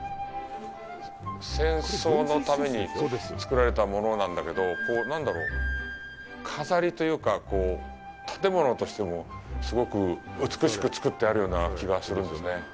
戦争のために造られたものなんだけど、何だろう、飾りというか、こう、建物としてもすごく美しく造ってあるような気がするんですね。